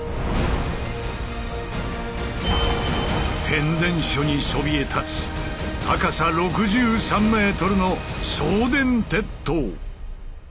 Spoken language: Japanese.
変電所にそびえ立つ高さ６３ｍの送電鉄塔。